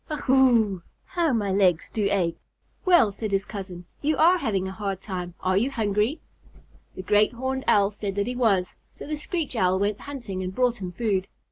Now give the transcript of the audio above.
Ugh whoo! How my legs do ache!" "Well," said his cousin, "you are having a hard time. Are you hungry?" The Great Horned Owl said that he was, so the Screech Owl went hunting and brought him food.